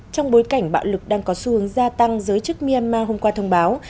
trong bối cảnh bạo lực đang có xu hướng gia tăng giới chức myanmar hôm qua thông báo